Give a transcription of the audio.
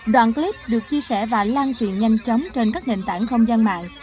đoạn clip được chia sẻ và lan truyền nhanh chóng trên các nền tảng không gian mạng